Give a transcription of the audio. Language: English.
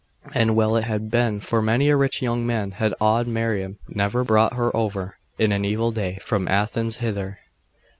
'And well it had been for many a rich young man had odd Miriam never brought her over, in an evil day, from Athens hither.